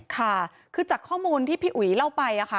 ค่ะคือจากข้อมูลที่พี่อุ๋ยเล่าไปค่ะ